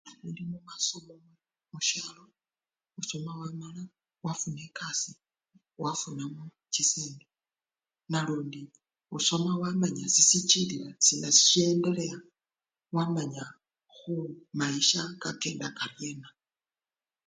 Bukhala buli mumasomo, osoma wamala wafuna ekasii wafunamo chisende nalundi osoma wamanya sisichililila , sina siyendelea wamanya khu mayisha kakenda karyena.